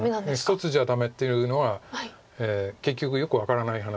１つじゃダメっていうのは結局よく分からない話だったんだけど。